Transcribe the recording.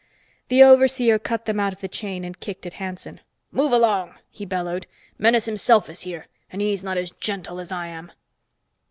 The overseer cut them out of the chain and kicked at Hanson. "Move along!" he bellowed. "Menes himself is here, and he's not as gentle as I am."